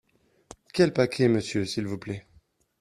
Quels paquets, monsieur, s’il vous plaît ?